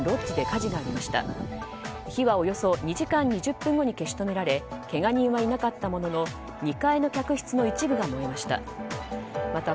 火はおよそ２時間２０分後に消し止められけが人はいなかったものの２階の客室の一部が燃えました。